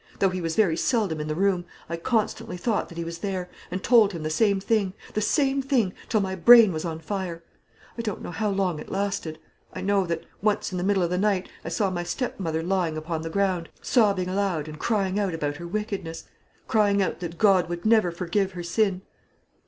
Though he was very seldom in the room, I constantly thought that he was there, and told him the same thing the same thing till my brain was on fire. I don't know how long it lasted. I know that, once in the middle of the night, I saw my stepmother lying upon the ground, sobbing aloud and crying out about her wickedness; crying out that God would never forgive her sin.